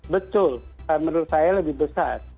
betul menurut saya lebih besar